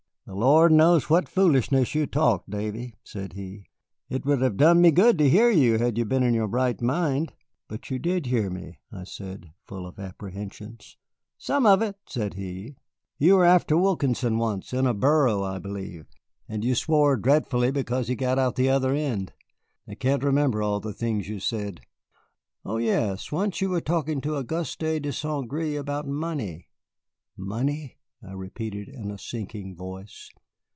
"The Lord knows what foolishness you talked, Davy," said he. "It would have done me good to hear you had you been in your right mind." "But you did hear me," I said, full of apprehensions. "Some of it," said he. "You were after Wilkinson once, in a burrow, I believe, and you swore dreadfully because he got out of the other end. I can't remember all the things you said. Oh, yes, once you were talking to Auguste de St. Gré about money." "Money?" I repeated in a sinking voice.